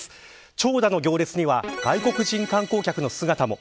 長蛇の行列には外国人観光客の姿も。